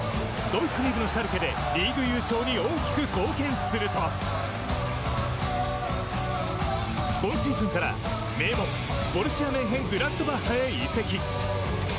ドイツ２部のシャルケでリーグ優勝に大きく貢献すると今シーズンから名門ボルシア・メンヘングラッドバッハに移籍。